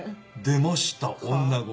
出ました女心。